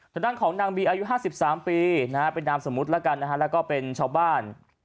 สดังของนางบีอายุ๕๓ปีเป็นนามสมมติแล้วก็เป็นชาวบ้าน